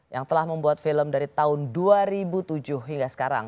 yang telah membuat film dari tahun dua ribu tujuh hingga sekarang